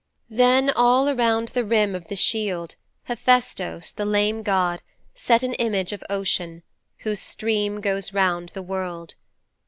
'Then all around the rim of the shield Hephaistos, the lame god, set an image of Ocean, whose stream goes round the world.